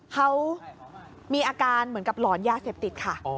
เขามีอาการเหมือนกับหลอนยาเสพติดค่ะ